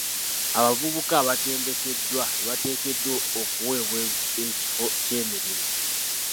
Abavubuka abatendekeddwa bateekeddwa okuwebwa ekifo ky'emirimu .